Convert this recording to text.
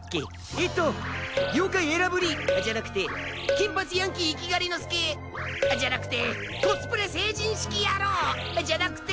えっと妖怪偉ぶりじゃなくて金髪ヤンキーいきがりの助じゃなくてコスプレ成人式野郎じゃなくて。